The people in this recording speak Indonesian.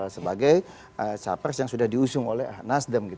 sebagai capres yang sudah diusung oleh nasdem